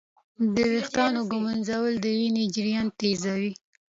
د ویښتانو ږمنځول د وینې جریان تېزوي.